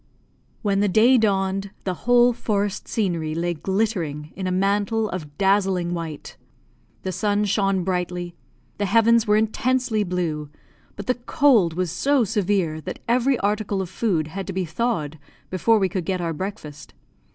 When the day dawned, the whole forest scenery lay glittering in a mantle of dazzling white; the sun shone brightly, the heavens were intensely blue, but the cold was so severe that every article of food had to be thawed before we could get our breakfast.